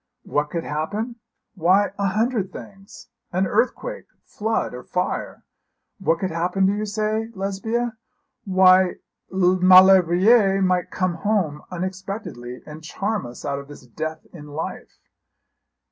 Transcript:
'What could happen? Why a hundred things an earthquake, flood, or fire. What could happen, do you say, Lesbia? Why Maulevrier might come home unexpectedly, and charm us out of this death in life.'